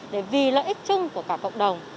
để vì lợi ích chung của cả cộng đồng